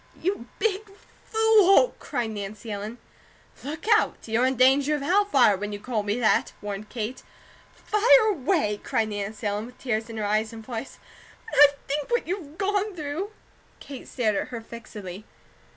"You big fool!" cried Nancy Ellen. "Look out! You're 'in danger of Hell fire,' when you call me that!" warned Kate. "Fire away!" cried Nancy Ellen, with tears in her eyes and voice. "When I think what you've gone through " Kate stared at her fixedly.